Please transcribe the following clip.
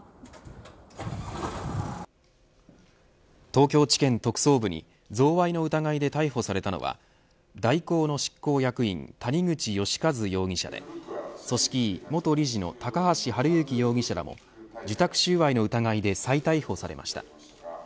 東京地検特捜部に贈賄の疑いで逮捕されたのは大広の執行役員谷口義一容疑者で組織委元理事の高橋治之容疑者も受託収賄の疑いで再逮捕されました。